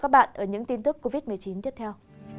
và những tin tức covid một mươi chín tiếp theo